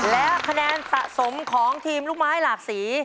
และคะแนนสะสมของทีมลูกไม้หลากสี